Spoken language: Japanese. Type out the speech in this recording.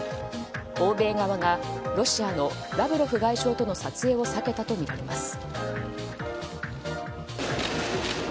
欧米側がロシアのラブロフ外相との撮影を避けたとみられます。